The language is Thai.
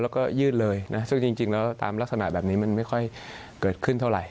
แล้วก็ยืดเลยนะซึ่งจริงแล้วตามลักษณะแบบนี้มันไม่ค่อยเกิดขึ้นเท่าไหร่